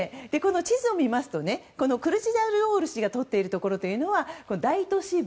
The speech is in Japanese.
地図を見ますとクルチダルオール氏がとっているところは大都市部。